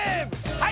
はい！